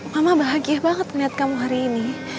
mama bahagia banget niat kamu hari ini